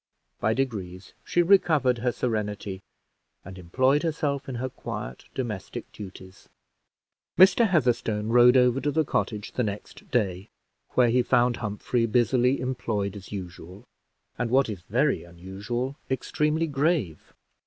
By degrees she recovered her serenity, and employed herself in her quiet domestic duties. Mr. Heatherstone rode over to the cottage the next day, where he found Humphrey busily employed as usual, and, what was very unusual, extremely grave.